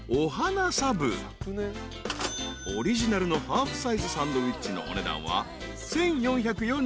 ［オリジナルのハーフサイズサンドイッチのお値段は］